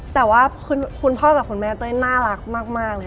แต่ว่าคุณพ่อกับคุณแม่เต้ยน่ารักมากเลย